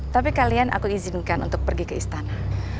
tapi kalian aku izinkan untuk pergi ke istana